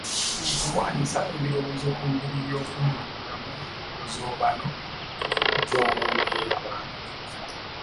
Okuwaanyisiganya ebirowoozo ku ngeri y’okumulungulamu emigozoobano gy’omu mbeerabantu